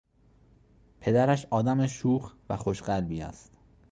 پدرش آدم شوخ و خوش قلبی است.